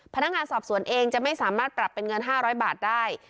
พนักงานสอบสวนเองจะไม่สามารถปรับเป็นเงิน๕๐๐บาทได้